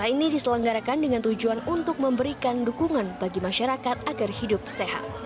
ini diselenggarakan dengan tujuan untuk memberikan dukungan bagi masyarakat agar hidup sehat